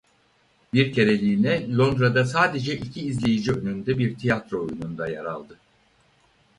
Bir kereliğine Londra'da sadece iki izleyici önünde bir tiyatro oyununda yer aldı.